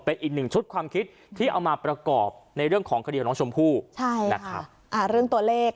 เป็นอีกหนึ่งชุดความคิดที่เอามาประกอบในเรื่องของคดีของน้องชมพู่ใช่นะครับอ่าเรื่องตัวเลข